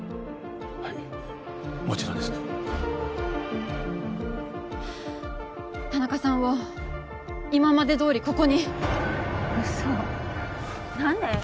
はいもちろんです田中さんを今までどおりここに嘘何で？